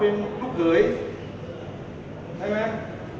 เฮ้ยไม่ใช่ผู้ประชาการจมโยชน์เห้ย